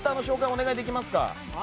お願いできますか。